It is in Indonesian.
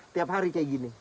tiap hari kayak gini